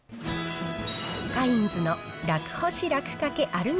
カインズの楽干し楽カケアルミ